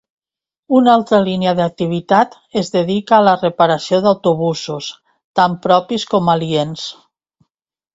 Una altra línia d'activitat es dedica a la reparació d'autobusos, tant propis com aliens.